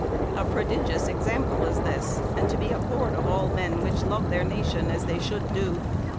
A prodygyous example is thys, and to be abhorred of all men whyche love theyr nacyon as they shoulde do.